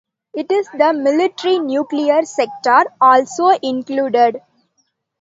Is the military nuclear sector also included?